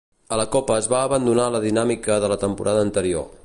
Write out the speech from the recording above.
A la Copa es va abandonar la dinàmica de la temporada anterior.